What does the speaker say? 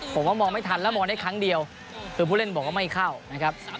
ผมว่ามองไม่ทันแล้วมองได้ครั้งเดียวคือผู้เล่นบอกว่าไม่เข้านะครับ